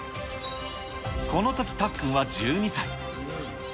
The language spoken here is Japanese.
このとき、たっくんは１２歳。